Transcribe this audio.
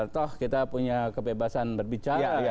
toh kita punya kebebasan berbicara